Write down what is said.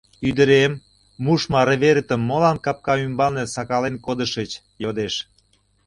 — Ӱдырем, мушмо арверетым молан капка ӱмбалан сакален кодышыч? — йодеш.